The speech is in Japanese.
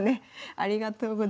ありがとうございます。